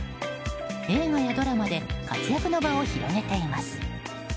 映画やドラマで活躍の場を広げています。